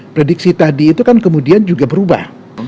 prediksi tadi itu kan kemudian juga berubah